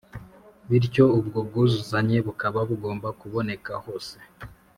bityo ubwo bwuzuzanye bukaba bugomba kuboneka hose